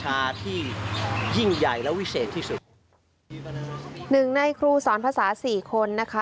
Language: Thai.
หนึ่งในครูสอนภาษาสี่คนนะคะ